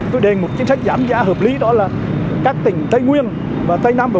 tôi đề một chính sách giảm giá hợp lý đó là các tỉnh tây nguyên và tây nam bộ